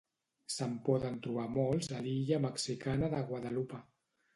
Se'n poden trobar molts a l'illa mexicana de Guadalupe.